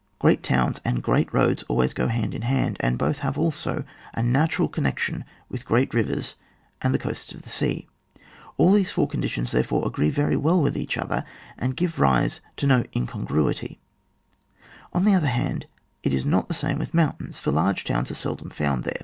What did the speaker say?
Great towns and great roads always go hand in hand, and both have fidso a natural connection with great rivers and the coasts of the sea, all these four conditions, therefore, agree very well with each other, and give rise to no in congruity ; on the other hand, it is not the same with mountains, for large towns are seldom foimd there.